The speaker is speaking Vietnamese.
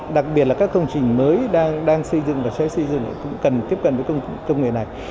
đặc biệt là các công trình mới đang xây dựng và cho phép xây dựng cũng cần tiếp cận với công nghệ này